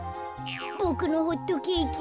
ボクのホットケーキ。